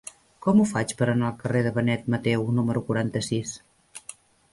Com ho faig per anar al carrer de Benet Mateu número quaranta-sis?